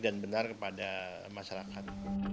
dan benar kepada masyarakat